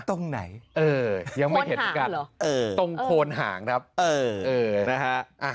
ตรงไหนเออยังไม่เห็นตรงโคนหางหรอเออตรงโคนหางครับเออเออนะฮะ